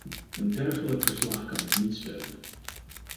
Een dergelijk verslag kan ik niet steunen.